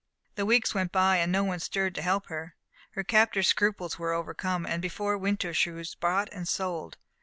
The weeks went by, and no one stirred to help her. Her captors' scruples were overcome, and before winter she was bought and sold.